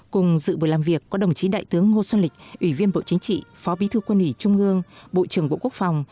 cùng dự buổi làm việc có đồng chí đại tướng ngô xuân lịch ủy viên bộ chính trị phó bí thư quân ủy trung ương bộ trưởng bộ quốc phòng